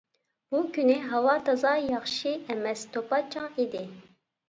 بۇ كۈنى ھاۋا تازا ياخشى ئەمەس، توپا-چاڭ ئىدى.